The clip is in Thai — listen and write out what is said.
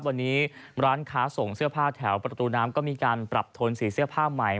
วันนี้ร้านค้าส่งเสื้อผ้าแถวประตูน้ำก็มีการปรับโทนสีเสื้อผ้าใหม่